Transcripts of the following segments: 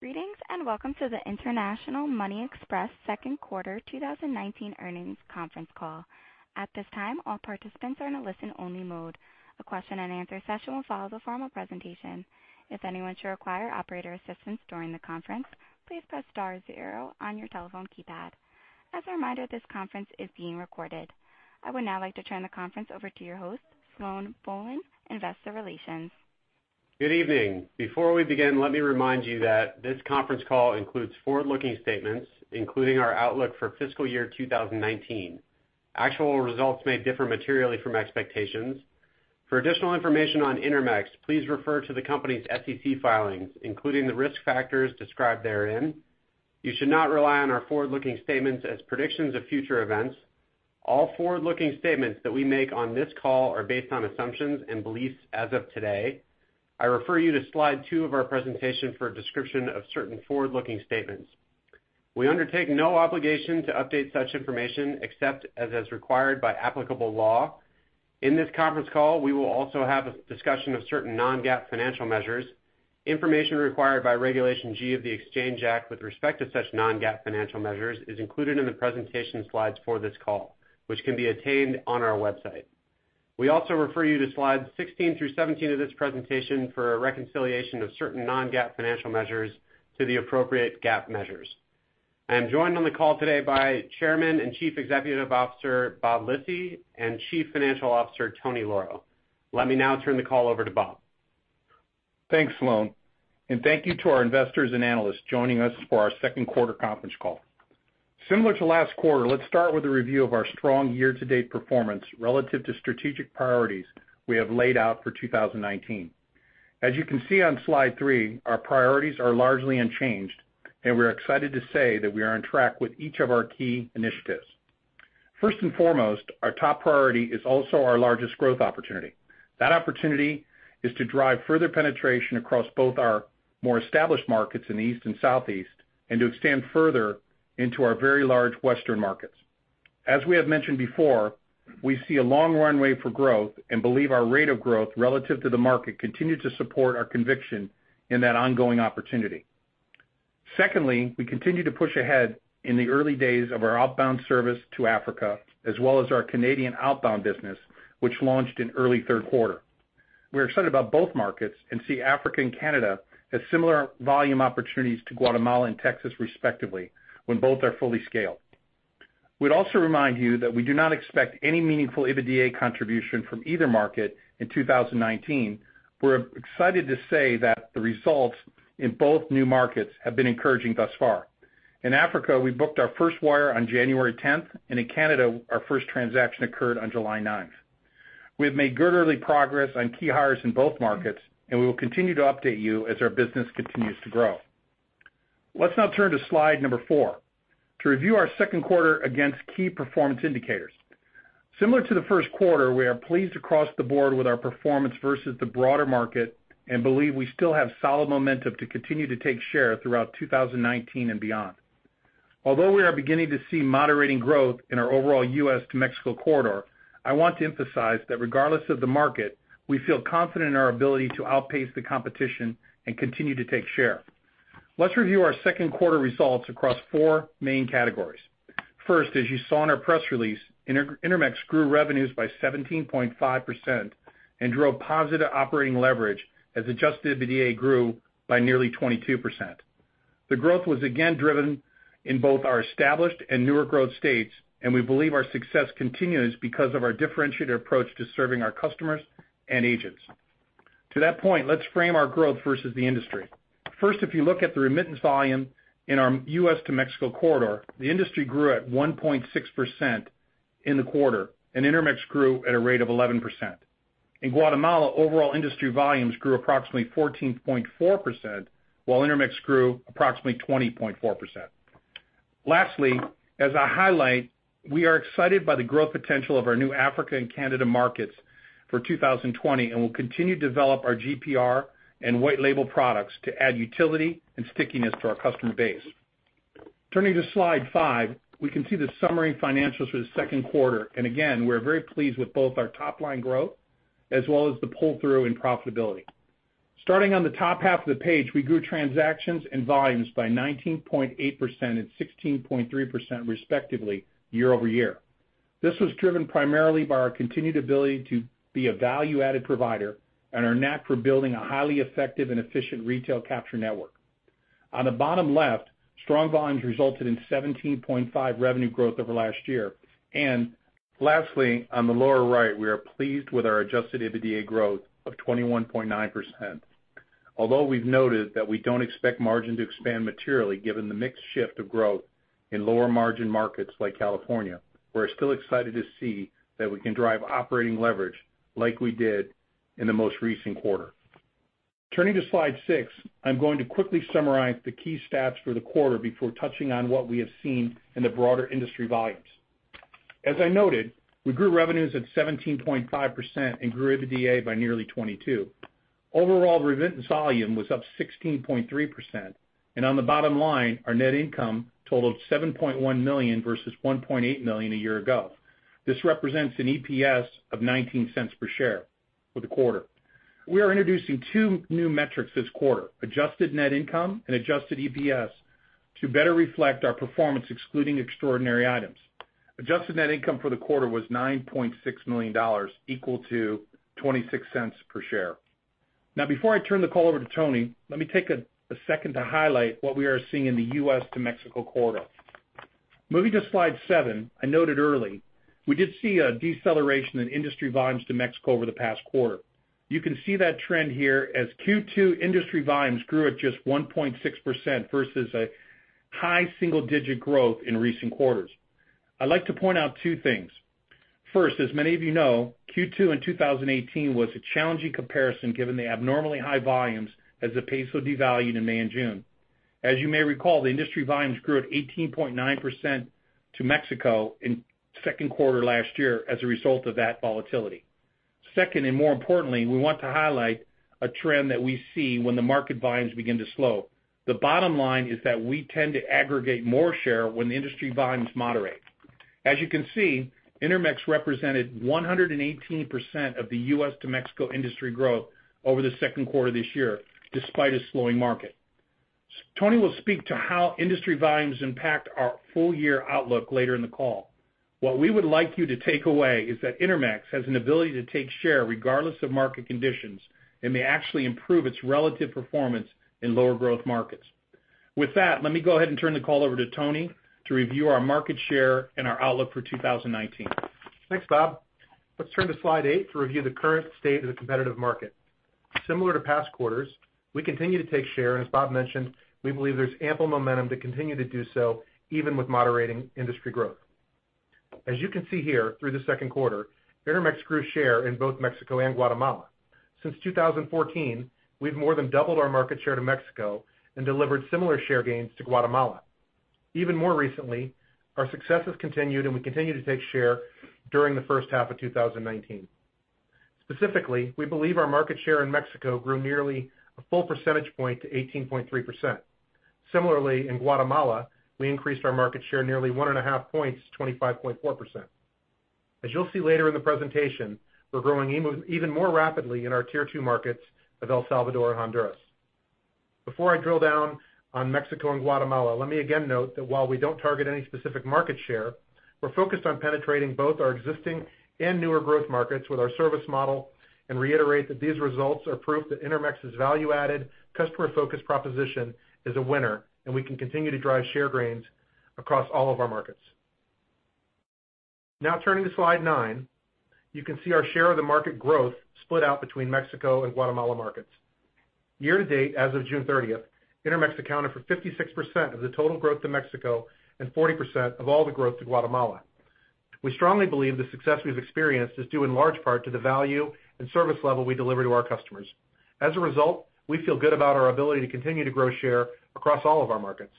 Greetings, and welcome to the International Money Express second quarter 2019 earnings conference call. At this time, all participants are in a listen-only mode. A question and answer session will follow the formal presentation. If anyone should require operator assistance during the conference, please press star zero on your telephone keypad. As a reminder, this conference is being recorded. I would now like to turn the conference over to your host, Sloan Bohlen, Investor Relations. Good evening. Before we begin, let me remind you that this conference call includes forward-looking statements, including our outlook for fiscal year 2019. Actual results may differ materially from expectations. For additional information on Intermex, please refer to the company's SEC filings, including the risk factors described therein. You should not rely on our forward-looking statements as predictions of future events. All forward-looking statements that we make on this call are based on assumptions and beliefs as of today. I refer you to slide two of our presentation for a description of certain forward-looking statements. We undertake no obligation to update such information, except as is required by applicable law. In this conference call, we will also have a discussion of certain non-GAAP financial measures. Information required by Regulation G of the Exchange Act with respect to such non-GAAP financial measures is included in the presentation slides for this call, which can be attained on our website. We also refer you to slides 16 through 17 of this presentation for a reconciliation of certain non-GAAP financial measures to the appropriate GAAP measures. I am joined on the call today by Chairman and Chief Executive Officer, Bob Lisy, and Chief Financial Officer, Tony Lauro. Let me now turn the call over to Bob. Thanks, Sloan. Thank you to our investors and analysts joining us for our second quarter conference call. Similar to last quarter, let's start with a review of our strong year-to-date performance relative to strategic priorities we have laid out for 2019. As you can see on slide three, our priorities are largely unchanged. We're excited to say that we are on track with each of our key initiatives. First and foremost, our top priority is also our largest growth opportunity. That opportunity is to drive further penetration across both our more established markets in the East and Southeast, and to extend further into our very large Western markets. As we have mentioned before, we see a long runway for growth and believe our rate of growth relative to the market continue to support our conviction in that ongoing opportunity. Secondly, we continue to push ahead in the early days of our outbound service to Africa, as well as our Canadian outbound business, which launched in early third quarter. We're excited about both markets and see Africa and Canada as similar volume opportunities to Guatemala and Texas respectively when both are fully scaled. We'd also remind you that we do not expect any meaningful EBITDA contribution from either market in 2019. We're excited to say that the results in both new markets have been encouraging thus far. In Africa, we booked our first wire on January 10th, and in Canada, our first transaction occurred on July 9th. We have made good early progress on key hires in both markets, and we will continue to update you as our business continues to grow. Let's now turn to slide number four to review our second quarter against key performance indicators. Similar to the first quarter, we are pleased across the board with our performance versus the broader market and believe we still have solid momentum to continue to take share throughout 2019 and beyond. Although we are beginning to see moderating growth in our overall U.S. to Mexico corridor, I want to emphasize that regardless of the market, we feel confident in our ability to outpace the competition and continue to take share. Let's review our second quarter results across four main categories. First, as you saw in our press release, Intermex grew revenues by 17.5% and drove positive operating leverage as adjusted EBITDA grew by nearly 22%. The growth was again driven in both our established and newer growth states, and we believe our success continues because of our differentiated approach to serving our customers and agents. To that point, let's frame our growth versus the industry. First, if you look at the remittance volume in our U.S. to Mexico corridor, the industry grew at 1.6% in the quarter, and Intermex grew at a rate of 11%. In Guatemala, overall industry volumes grew approximately 14.4%, while Intermex grew approximately 20.4%. Lastly, as I highlight, we are excited by the growth potential of our new Africa and Canada markets for 2020 and will continue to develop our GPR and white label products to add utility and stickiness to our customer base. Turning to slide five, we can see the summary financials for the second quarter. Again, we're very pleased with both our top-line growth as well as the pull-through and profitability. Starting on the top half of the page, we grew transactions and volumes by 19.8% and 16.3% respectively year-over-year. This was driven primarily by our continued ability to be a value-added provider and our knack for building a highly effective and efficient retail capture network. On the bottom left, strong volumes resulted in 17.5% revenue growth over last year. Lastly, on the lower right, we are pleased with our adjusted EBITDA growth of 21.9%. Although we've noted that we don't expect margin to expand materially given the mixed shift of growth in lower-margin markets like California, we're still excited to see that we can drive operating leverage like we did in the most recent quarter. Turning to slide six, I'm going to quickly summarize the key stats for the quarter before touching on what we have seen in the broader industry volumes. As I noted, we grew revenues at 17.5% and grew EBITDA by nearly 22%. Overall remittance volume was up 16.3%, and on the bottom line, our net income totaled $7.1 million versus $1.8 million a year ago. This represents an EPS of $0.19 per share for the quarter. We are introducing two new metrics this quarter, adjusted net income and adjusted EPS, to better reflect our performance excluding extraordinary items. Adjusted net income for the quarter was $9.6 million, equal to $0.26 per share. Before I turn the call over to Tony, let me take a second to highlight what we are seeing in the U.S. to Mexico corridor. Moving to slide seven, I noted early, we did see a deceleration in industry volumes to Mexico over the past quarter. You can see that trend here as Q2 industry volumes grew at just 1.6% versus a high single-digit growth in recent quarters. I'd like to point out two things. First, as many of you know, Q2 in 2018 was a challenging comparison given the abnormally high volumes as the peso devalued in May and June. As you may recall, the industry volumes grew at 18.9% to Mexico in second quarter last year as a result of that volatility. Second, and more importantly, we want to highlight a trend that we see when the market volumes begin to slow. The bottom line is that we tend to aggregate more share when the industry volumes moderate. As you can see, Intermex represented 118% of the U.S. to Mexico industry growth over the second quarter this year, despite a slowing market. Tony will speak to how industry volumes impact our full-year outlook later in the call. What we would like you to take away is that Intermex has an ability to take share regardless of market conditions, and may actually improve its relative performance in lower growth markets. With that, let me go ahead and turn the call over to Tony to review our market share and our outlook for 2019. Thanks, Bob. Let's turn to slide eight to review the current state of the competitive market. Similar to past quarters, we continue to take share, and as Bob mentioned, we believe there's ample momentum to continue to do so even with moderating industry growth. As you can see here, through the second quarter, Intermex grew share in both Mexico and Guatemala. Since 2014, we've more than doubled our market share to Mexico and delivered similar share gains to Guatemala. Even more recently, our success has continued, and we continue to take share during the first half of 2019. Specifically, we believe our market share in Mexico grew nearly a full percentage point to 18.3%. Similarly, in Guatemala, we increased our market share nearly 1.5 points to 25.4%. As you'll see later in the presentation, we're growing even more rapidly in our tier 2 markets of El Salvador and Honduras. Before I drill down on Mexico and Guatemala, let me again note that while we don't target any specific market share, we're focused on penetrating both our existing and newer growth markets with our service model, and reiterate that these results are proof that Intermex's value-added, customer-focused proposition is a winner, and we can continue to drive share gains across all of our markets. Turning to slide nine, you can see our share of the market growth split out between Mexico and Guatemala markets. Year-to-date, as of June 30th, Intermex accounted for 56% of the total growth to Mexico and 40% of all the growth to Guatemala. We strongly believe the success we've experienced is due in large part to the value and service level we deliver to our customers. As a result, we feel good about our ability to continue to grow share across all of our markets.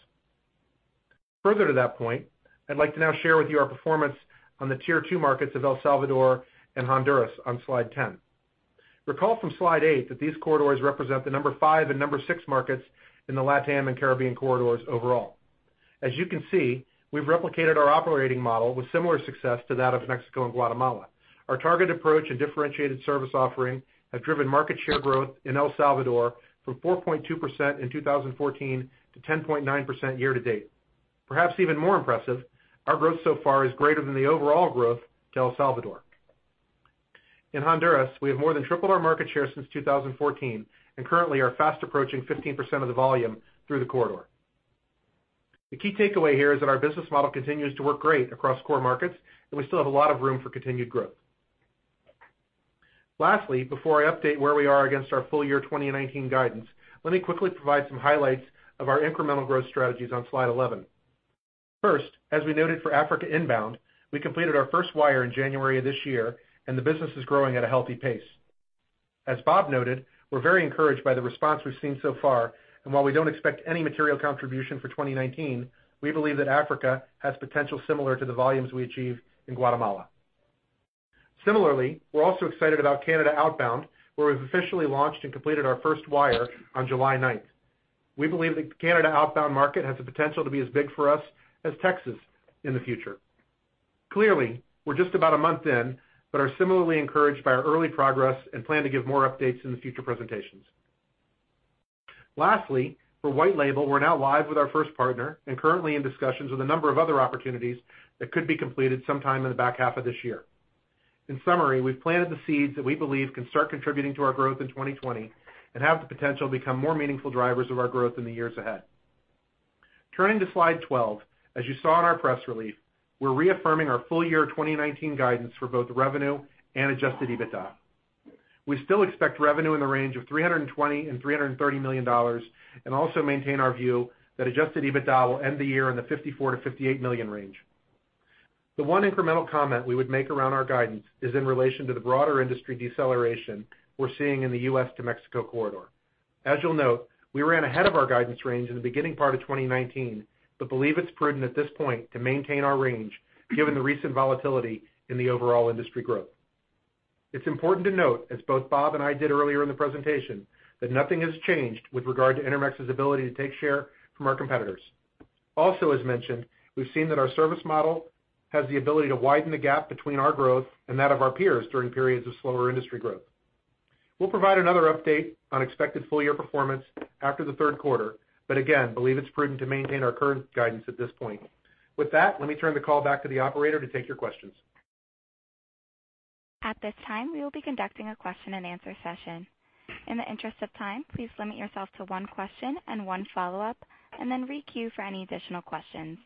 Further to that point, I'd like to now share with you our performance on the tier 2 markets of El Salvador and Honduras on slide 10. Recall from slide eight that these corridors represent the number 5 and number 6 markets in the LATAM and Caribbean corridors overall. As you can see, we've replicated our operating model with similar success to that of Mexico and Guatemala. Our targeted approach and differentiated service offering have driven market share growth in El Salvador from 4.2% in 2014 to 10.9% year-to-date. Perhaps even more impressive, our growth so far is greater than the overall growth to El Salvador. In Honduras, we have more than tripled our market share since 2014, and currently are fast approaching 15% of the volume through the corridor. The key takeaway here is that our business model continues to work great across core markets, and we still have a lot of room for continued growth. Lastly, before I update where we are against our full-year 2019 guidance, let me quickly provide some highlights of our incremental growth strategies on slide 11. First, as we noted for Africa inbound, we completed our first wire in January of this year, and the business is growing at a healthy pace. As Bob noted, we're very encouraged by the response we've seen so far, and while we don't expect any material contribution for 2019, we believe that Africa has potential similar to the volumes we achieve in Guatemala. Similarly, we're also excited about Canada outbound, where we've officially launched and completed our first wire on July 9th. We believe the Canada outbound market has the potential to be as big for us as Texas in the future. Clearly, we're just about a month in, but are similarly encouraged by our early progress and plan to give more updates in the future presentations. For white label, we're now live with our first partner and currently in discussions with a number of other opportunities that could be completed sometime in the back half of this year. We've planted the seeds that we believe can start contributing to our growth in 2020 and have the potential to become more meaningful drivers of our growth in the years ahead. Turning to slide 12, as you saw in our press release, we're reaffirming our full-year 2019 guidance for both revenue and adjusted EBITDA. We still expect revenue in the range of $320 million and $330 million, and also maintain our view that adjusted EBITDA will end the year in the $54 million to $58 million range. The one incremental comment we would make around our guidance is in relation to the broader industry deceleration we're seeing in the U.S. to Mexico corridor. As you'll note, we ran ahead of our guidance range in the beginning part of 2019, but believe it's prudent at this point to maintain our range given the recent volatility in the overall industry growth. It's important to note, as both Bob and I did earlier in the presentation, that nothing has changed with regard to Intermex's ability to take share from our competitors. Also as mentioned, we've seen that our service model has the ability to widen the gap between our growth and that of our peers during periods of slower industry growth. We'll provide another update on expected full-year performance after the third quarter, but again, believe it's prudent to maintain our current guidance at this point. With that, let me turn the call back to the operator to take your questions. At this time, we will be conducting a question and answer session. In the interest of time, please limit yourself to one question and one follow-up, and then re-queue for any additional questions.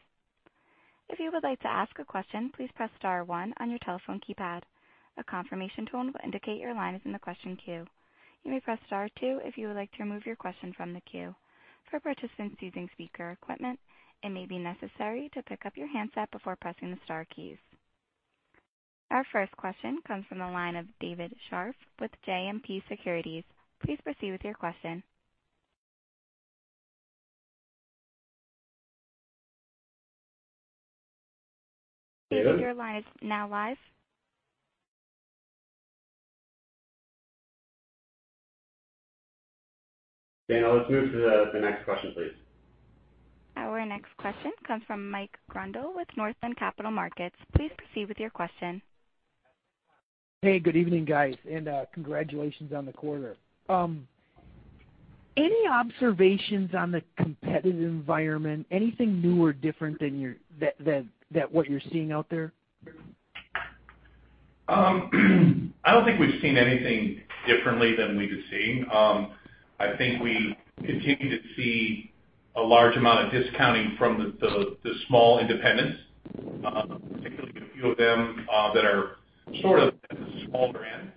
If you would like to ask a question, please press star one on your telephone keypad. A confirmation tone will indicate your line is in the question queue. You may press star two if you would like to remove your question from the queue. For participants using speaker equipment, it may be necessary to pick up your handset before pressing the star keys. Our first question comes from the line of David Scharf with JMP Securities. Please proceed with your question. David. Your line is now live. Dana, let's move to the next question, please. Our next question comes from Mike Grondahl with Northland Capital Markets. Please proceed with your question. Hey, good evening, guys, and congratulations on the quarter. Any observations on the competitive environment, anything new or different than what you're seeing out there? I don't think we've seen anything differently than we've been seeing. I think we continue to see a large amount of discounting from the small independents, particularly a few of them that are sort of small brand.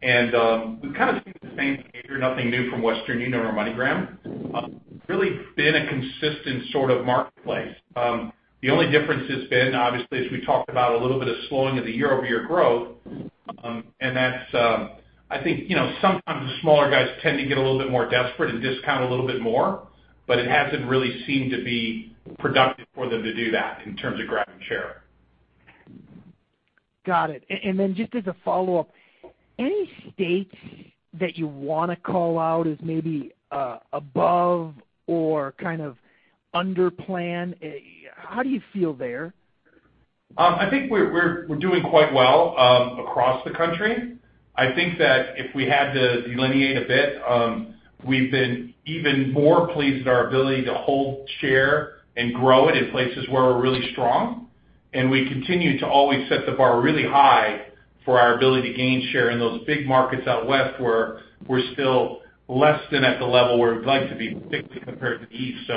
We've kind of seen the same behavior, nothing new from Western Union or MoneyGram. It's really been a consistent sort of marketplace. The only difference has been obviously, as we talked about a little bit of slowing of the year-over-year growth. That's, I think sometimes the smaller guys tend to get a little bit more desperate and discount a little bit more, but it hasn't really seemed to be productive for them to do that in terms of grabbing share. Got it. Just as a follow-up, any states that you want to call out as maybe above or kind of under plan? How do you feel there? I think we're doing quite well across the country. I think that if we had to delineate a bit, we've been even more pleased at our ability to hold share and grow it in places where we're really strong. We continue to always set the bar really high for our ability to gain share in those big markets out west where we're still less than at the level where we'd like to be, particularly compared to the East.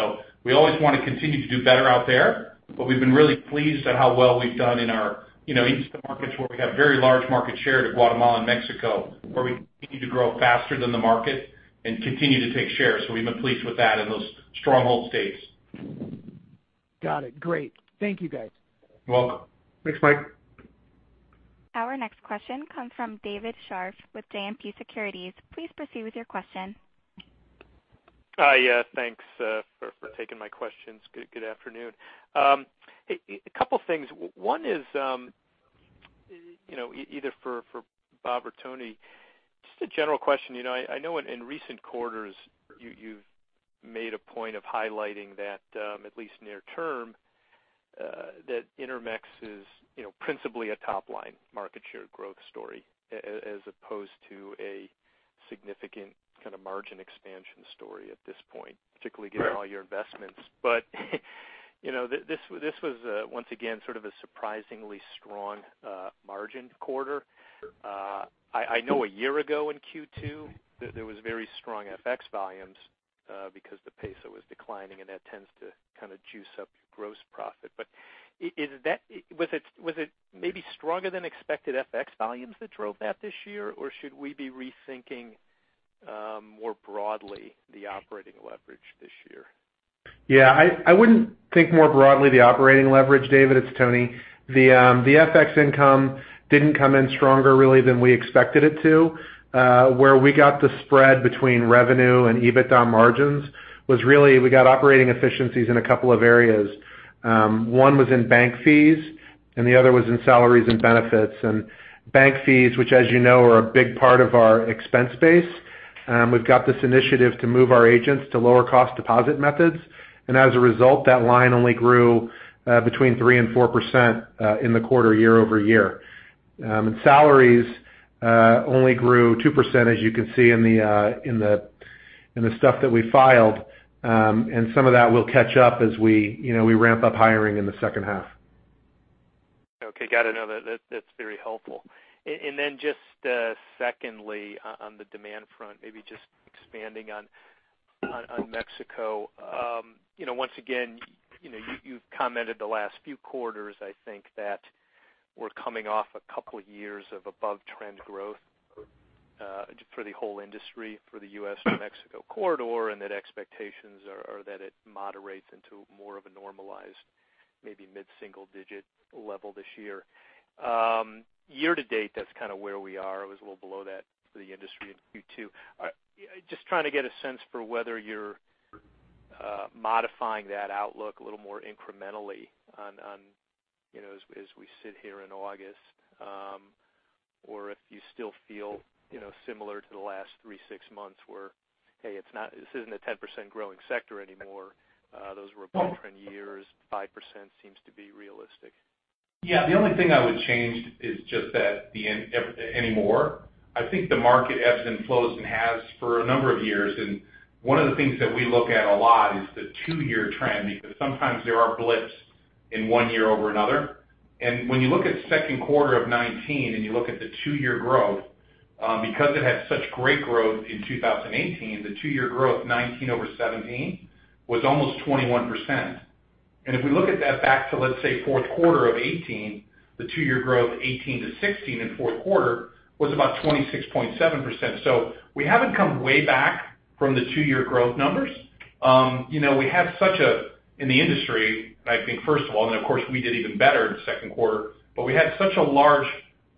We always want to continue to do better out there, but we've been really pleased at how well we've done in our eastern markets where we have very large market share to Guatemala and Mexico, where we continue to grow faster than the market and continue to take share. We've been pleased with that in those stronghold states. Got it. Great. Thank you, guys. You're welcome. Thanks, Mike. Our next question comes from David Scharf with JMP Securities. Please proceed with your question. Hi. Thanks for taking my questions. Good afternoon. A couple things. One is either for Bob or Tony, just a general question. I know in recent quarters you've made a point of highlighting that at least near term, that Intermex is principally a top-line market share growth story as opposed to a significant kind of margin expansion story at this point, particularly given all your investments. This was once again sort of a surprisingly strong margin quarter. I know a year ago in Q2 there was very strong FX volumes because the peso was declining and that tends to kind of juice up your gross profit. Was it maybe stronger than expected FX volumes that drove that this year? Should we be rethinking more broadly the operating leverage this year? Yeah, I wouldn't think more broadly the operating leverage, David, it's Tony. The FX income didn't come in stronger really than we expected it to. Where we got the spread between revenue and EBITDA margins was really we got operating efficiencies in a couple of areas. One was in bank fees and the other was in salaries and benefits. Bank fees, which as you know, are a big part of our expense base. We've got this initiative to move our agents to lower cost deposit methods. As a result, that line only grew between 3%-4% in the quarter year-over-year. Salaries only grew 2% as you can see in the stuff that we filed. Some of that will catch up as we ramp up hiring in the second half. Okay. Got it. No, that's very helpful. Then just secondly, on the demand front, maybe just expanding on Mexico. Once again, you've commented the last few quarters I think that we're coming off a couple of years of above-trend growth for the whole industry, for the U.S.-Mexico corridor, and that expectations are that it moderates into more of a normalized maybe mid-single digit level this year. Year to date, that's kind of where we are. It was a little below that for the industry in Q2. Just trying to get a sense for whether you're modifying that outlook a little more incrementally as we sit here in August, or if you still feel similar to the last three, six months where, hey, this isn't a 10% growing sector anymore. Those were boom years, 5% seems to be realistic? Yeah. The only thing I would change is just that the anymore. I think the market ebbs and flows and has for a number of years. One of the things that we look at a lot is the two-year trend, because sometimes there are blips in one year over another. When you look at second quarter of 2019, and you look at the two-year growth, because it had such great growth in 2018, the two-year growth 2019 over 2017 was almost 21%. If we look at that back to, let's say, fourth quarter of 2018, the two-year growth 2018 to 2016 in fourth quarter was about 26.7%. We haven't come way back from the two-year growth numbers. In the industry, I think first of all, of course we did even better in the second quarter, but we had such a large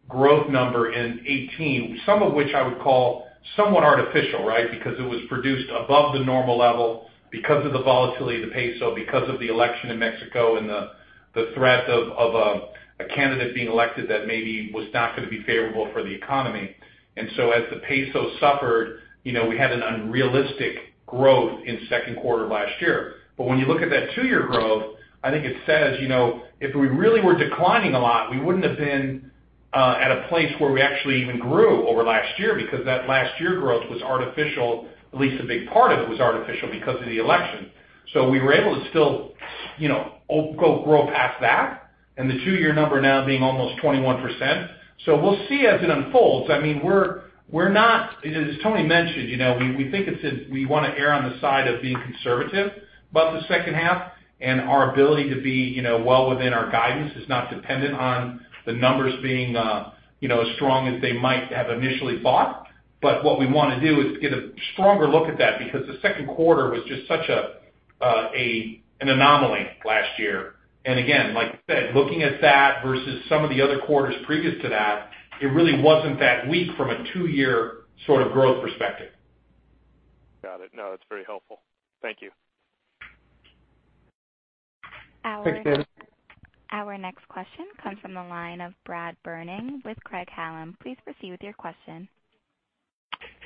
growth number in 2018, some of which I would call somewhat artificial, right? Because it was produced above the normal level, because of the volatility of the peso, because of the election in Mexico, and the threat of a candidate being elected that maybe was not going to be favorable for the economy. As the peso suffered, we had an unrealistic growth in second quarter of last year. When you look at that two-year growth, I think it says, if we really were declining a lot, we wouldn't have been at a place where we actually even grew over last year because that last year growth was artificial. At least a big part of it was artificial because of the election. We were able to still grow past that. The 2-year number now being almost 21%. We'll see as it unfolds. As Tony mentioned, we want to err on the side of being conservative about the second half and our ability to be well within our guidance is not dependent on the numbers being as strong as they might have initially thought. What we want to do is get a stronger look at that, because the second quarter was just such an anomaly last year. Again, like I said, looking at that versus some of the other quarters previous to that, it really wasn't that weak from a 2-year sort of growth perspective. Got it. No, that's very helpful. Thank you. Thanks, David. Our next question comes from the line of Brad Berning with Craig-Hallum. Please proceed with your question.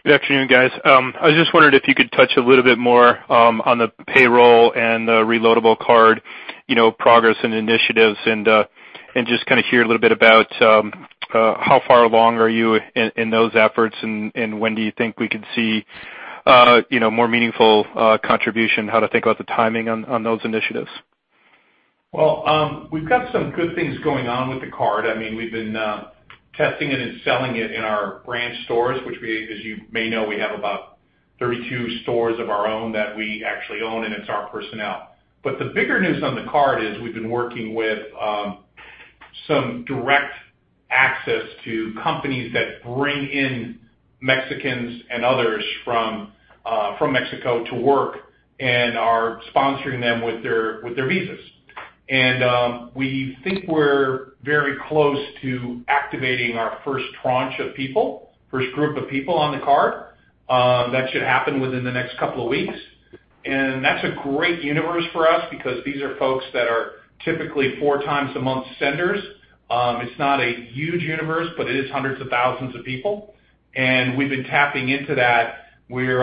Good afternoon, guys. I just wondered if you could touch a little bit more on the payroll and the reloadable card progress and initiatives and just kind of hear a little bit about how far along are you in those efforts, and when do you think we could see more meaningful contribution? How to think about the timing on those initiatives? Well, we've got some good things going on with the card. We've been testing it and selling it in our branch stores. As you may know, we have about 32 stores of our own that we actually own, and it's our personnel. The bigger news on the card is we've been working with some direct access to companies that bring in Mexicans and others from Mexico to work and are sponsoring them with their visas. We think we're very close to activating our first tranche of people, first group of people on the card. That should happen within the next couple of weeks. That's a great universe for us because these are folks that are typically four times a month senders. It's not a huge universe, but it is hundreds of thousands of people, and we've been tapping into that. We're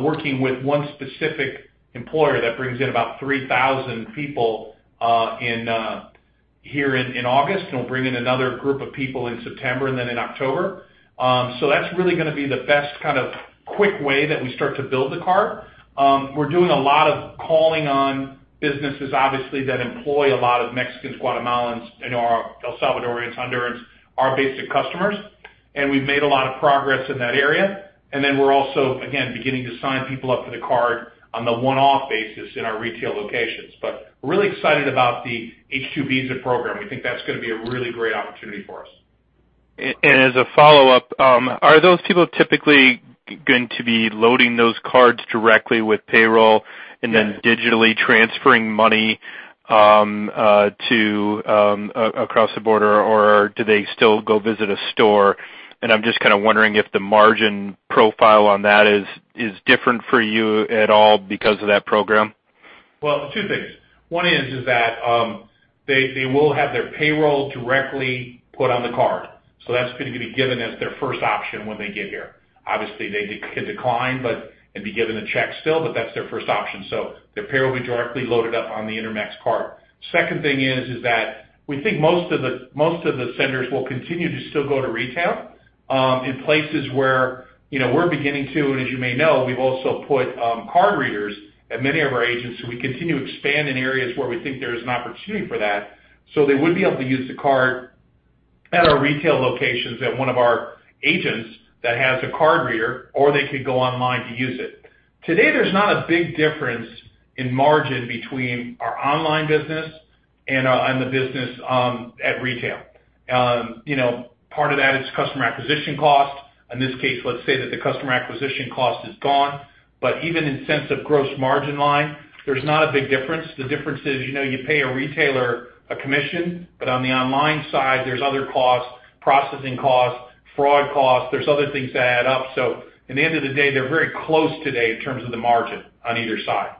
working with one specific employer that brings in about 3,000 people here in August, and we'll bring in another group of people in September and then in October. That's really going to be the best kind of quick way that we start to build the card. We're doing a lot of calling on businesses, obviously, that employ a lot of Mexicans, Guatemalans, and El Salvadorians, Hondurans, our basic customers, and we've made a lot of progress in that area. We're also, again, beginning to sign people up for the card on the one-off basis in our retail locations. We're really excited about the H-2 visa program. We think that's going to be a really great opportunity for us. As a follow-up, are those people typically going to be loading those cards directly with payroll and then digitally transferring money across the border, or do they still go visit a store? I'm just kind of wondering if the margin profile on that is different for you at all because of that program. Well, two things. One is that they will have their payroll directly put on the card. That's going to be given as their first option when they get here. Obviously, they can decline and be given a check still, but that's their first option. Their payroll will be directly loaded up on the Intermex card. Second thing is that we think most of the senders will continue to still go to retail in places where we're beginning to, and as you may know, we've also put card readers at many of our agents. We continue to expand in areas where we think there is an opportunity for that. They would be able to use the card at our retail locations at one of our agents that has a card reader, or they could go online to use it. Today, there's not a big difference in margin between our online business and the business at retail. Part of that is customer acquisition cost. In this case, let's say that the customer acquisition cost is gone. Even in sense of gross margin line, there's not a big difference. The difference is you pay a retailer a commission, but on the online side, there's other costs, processing costs, fraud costs. There's other things that add up. At the end of the day, they're very close today in terms of the margin on either side.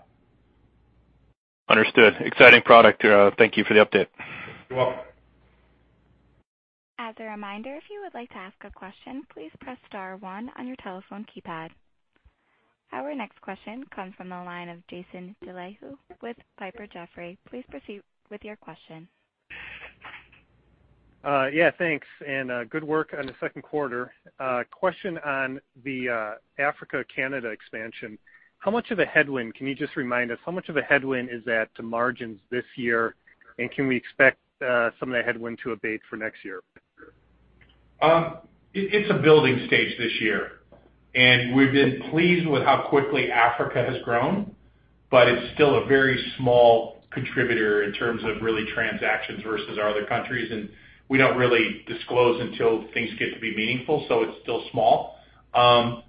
Understood. Exciting product. Thank you for the update. You're welcome. As a reminder, if you would like to ask a question, please press star one on your telephone keypad. Our next question comes from the line of Jason Deleeuw with Piper Jaffray. Please proceed with your question. Yeah, thanks. Good work on the second quarter. Question on the Africa, Canada expansion. Can you just remind us how much of a headwind is that to margins this year, and can we expect some of that headwind to abate for next year? It's a building stage this year, and we've been pleased with how quickly Africa has grown, but it's still a very small contributor in terms of really transactions versus our other countries, and we don't really disclose until things get to be meaningful. It's still small.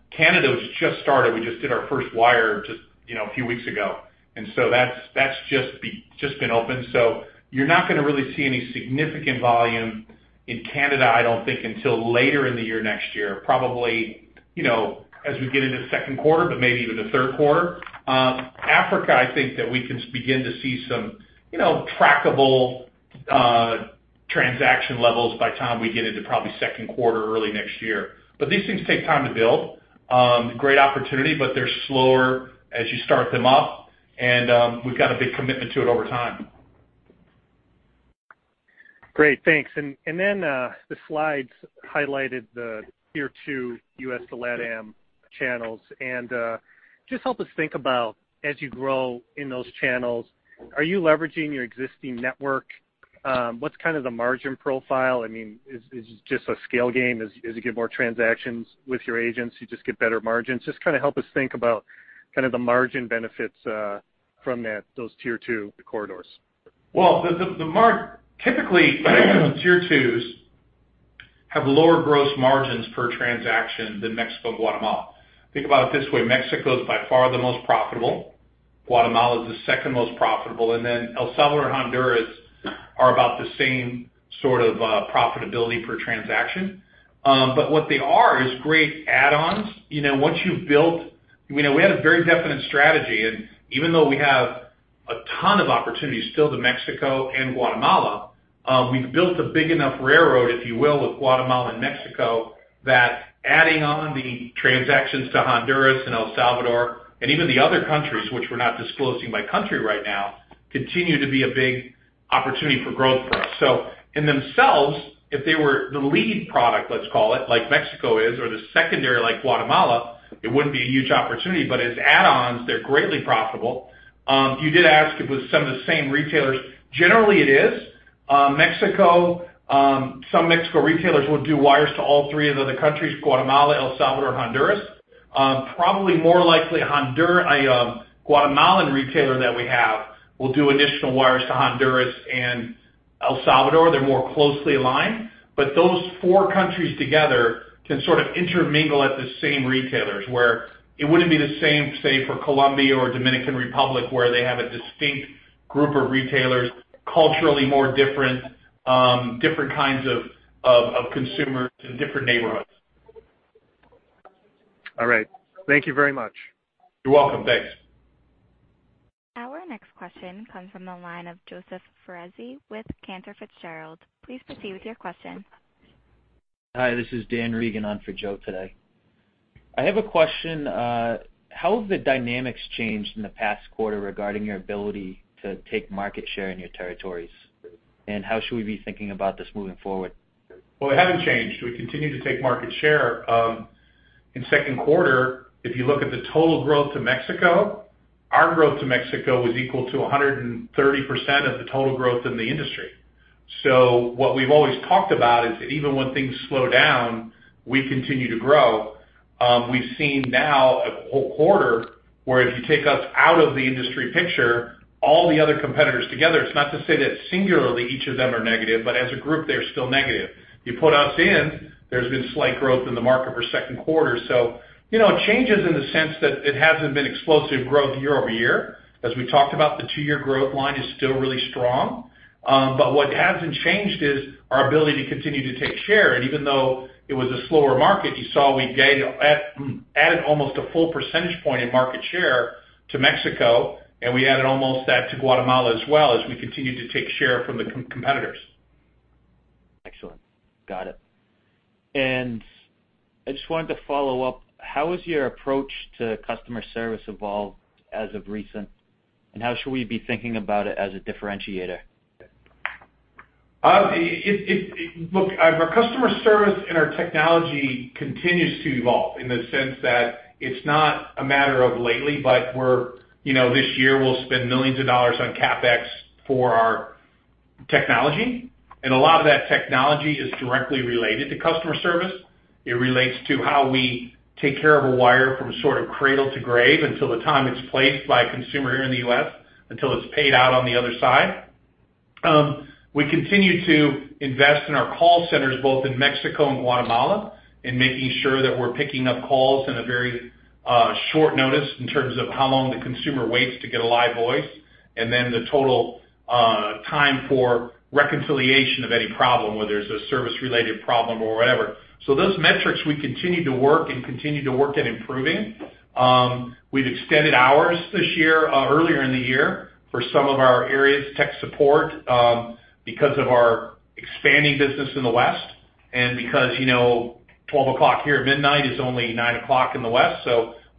Canada was just started. We just did our first wire just a few weeks ago. That's just been opened. You're not going to really see any significant volume in Canada, I don't think, until later in the year next year, probably, as we get into the second quarter, but maybe even the third quarter. Africa, I think that we can begin to see some trackable transaction levels by the time we get into probably second quarter early next year. These things take time to build. Great opportunity, but they're slower as you start them up. We've got a big commitment to it over time. Great, thanks. Then the slides highlighted the tier 2 U.S. to LATAM channels. Just help us think about as you grow in those channels, are you leveraging your existing network? What's the margin profile? Is this just a scale game? As you get more transactions with your agents, you just get better margins? Just help us think about the margin benefits from those tier 2 corridors? Typically, tier 2s have lower gross margins per transaction than Mexico and Guatemala. Think about it this way. Mexico is by far the most profitable. Guatemala is the second most profitable, and then El Salvador and Honduras are about the same sort of profitability per transaction. What they are is great add-ons. We had a very definite strategy, and even though we have a ton of opportunities still to Mexico and Guatemala, we've built a big enough railroad, if you will, with Guatemala and Mexico, that adding on the transactions to Honduras and El Salvador and even the other countries, which we're not disclosing by country right now, continue to be a big opportunity for growth for us. In themselves, if they were the lead product, let's call it, like Mexico is, or the secondary like Guatemala, it wouldn't be a huge opportunity, but as add-ons they're greatly profitable. You did ask if it was some of the same retailers. Generally, it is. Some Mexico retailers will do wires to all three of the other countries, Guatemala, El Salvador, Honduras. Probably more likely, a Guatemalan retailer that we have will do additional wires to Honduras and El Salvador. They're more closely aligned. Those four countries together can sort of intermingle at the same retailers, where it wouldn't be the same, say, for Colombia or Dominican Republic, where they have a distinct group of retailers, culturally more different kinds of consumers in different neighborhoods. All right. Thank you very much. You're welcome. Thanks. Our next question comes from the line of Joseph Foresi with Cantor Fitzgerald. Please proceed with your question. Hi, this is Dan Reagan on for Joe today. I have a question. How have the dynamics changed in the past quarter regarding your ability to take market share in your territories? How should we be thinking about this moving forward? They haven't changed. We continue to take market share. In second quarter, if you look at the total growth of Mexico, our growth to Mexico was equal to 130% of the total growth in the industry. What we've always talked about is that even when things slow down, we continue to grow. We've seen now a whole quarter where if you take us out of the industry picture, all the other competitors together, it's not to say that singularly each of them are negative, but as a group, they are still negative. You put us in, there's been slight growth in the market for second quarter. It changes in the sense that it hasn't been explosive growth year-over-year. As we talked about, the 2-year growth line is still really strong. What hasn't changed is our ability to continue to take share. Even though it was a slower market, you saw we added almost a full percentage point in market share to Mexico, and we added almost that to Guatemala as well as we continued to take share from the competitors. Excellent. Got it. I just wanted to follow up, how has your approach to customer service evolved as of recent, and how should we be thinking about it as a differentiator? Look, our customer service and our technology continues to evolve in the sense that it's not a matter of lately, but this year we'll spend millions of dollars on CapEx for our technology, and a lot of that technology is directly related to customer service. It relates to how we take care of a wire from sort of cradle to grave until the time it's placed by a consumer here in the U.S., until it's paid out on the other side. We continue to invest in our call centers both in Mexico and Guatemala, in making sure that we're picking up calls in a very short notice in terms of how long the consumer waits to get a live voice, and then the total time for reconciliation of any problem, whether it's a service-related problem or whatever. Those metrics, we continue to work and continue to work at improving. We've extended hours this year, earlier in the year for some of our areas, tech support, because of our expanding business in the West and because 12:00 here, midnight is only 9:00 in the West.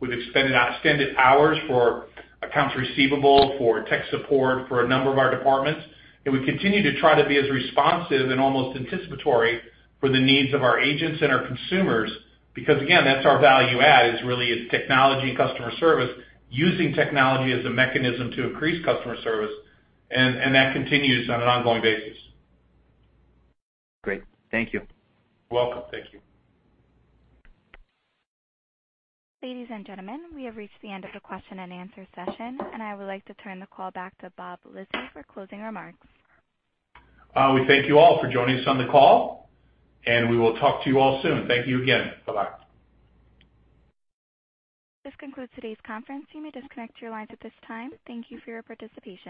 We've extended hours for accounts receivable, for tech support, for a number of our departments. We continue to try to be as responsive and almost anticipatory for the needs of our agents and our consumers because, again, that's our value add, is really technology and customer service, using technology as a mechanism to increase customer service. That continues on an ongoing basis. Great. Thank you. You're welcome. Thank you. Ladies and gentlemen, we have reached the end of the question and answer session, and I would like to turn the call back to Bob Lisy for closing remarks. We thank you all for joining us on the call, and we will talk to you all soon. Thank you again. Bye-bye. This concludes today's conference. You may disconnect your lines at this time. Thank you for your participation.